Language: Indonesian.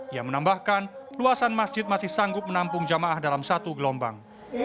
ia menambahkan luasan masjid masih sanggup menampung jamaah dalam satu gelombang